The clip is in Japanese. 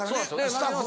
スタッフが。